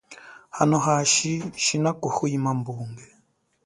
Hano hashi shina kuhwima mbunge.